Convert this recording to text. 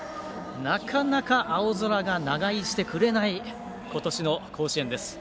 なかなか青空が長居してくれない今年の甲子園です。